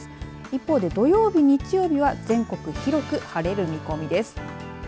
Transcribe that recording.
一方で土曜日、日曜日は全国、広く晴れる見込みです。